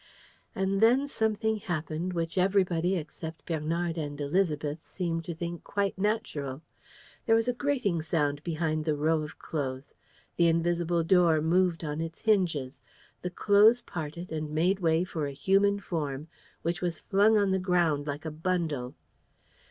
And then something happened which everybody except Bernard and Élisabeth seemed to think quite natural. There was a grating sound behind the row of clothes. The invisible door moved on its hinges. The clothes parted and made way for a human form which was flung on the ground like a bundle.